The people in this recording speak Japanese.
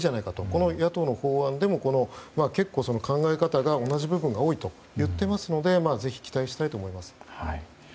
この野党の法案でも結構、考え方が同じ部分が多いと言っていますのでぜひ期待したいと思います。